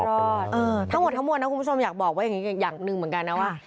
เออทั้งหมดทั้งหมวดนะคุณผู้ชมอยากบอกว่าอย่างนึงเหมือนกันนะว่า